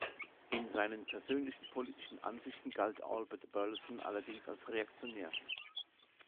In seinen persönlichen politischen Ansichten galt Albert Burleson allerdings als reaktionär.